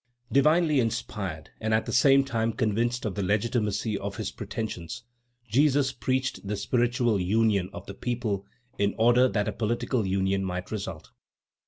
Divinely inspired, and, at the same time, convinced of the legitimacy of his pretentions, Jesus preached the spiritual union of the people in order that a political union might result.